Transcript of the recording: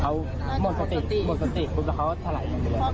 เขาหมดสติหมดสติปุ๊บแล้วเขาถลายอย่างเดียว